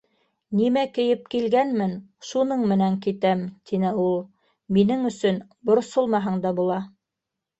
Нимә кейеп килгәнмен - шуның менән китәм, - тине ул. - Минең өсөн борсолмаһаң да була.